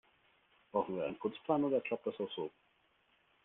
Brauchen wir einen Putzplan, oder klappt das auch so?